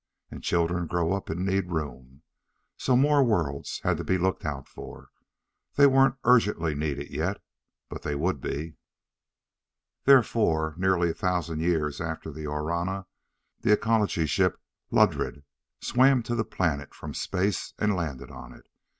And children grow up and need room. So more worlds had to be looked out for. They weren't urgently needed yet, but they would be. Therefore, nearly a thousand years after the Orana, the Ecology Ship Ludred swam to the planet from space and landed on it.